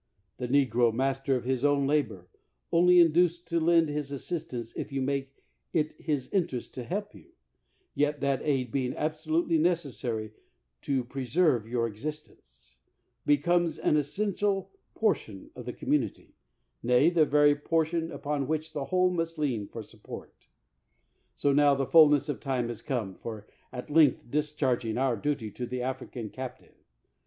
The negro, master of his own labor — only induced to lend his assistance if you make it his interest to help you, yet that aid being absolutely necessarj' to preserve your existence — becomes an essential portion of the community, nay, the very portion upon which the whole must lean for support. So now the fulness of time is come for at length discharging our duty to the African cap tive.